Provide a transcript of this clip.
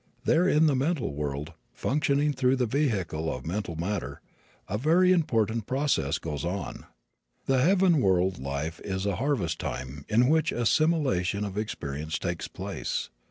There in the mental world, functioning through the vehicle of mental matter, a very important process goes on. The heaven world life is a harvest time in which assimilation of experience takes place.